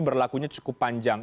berlakunya cukup panjang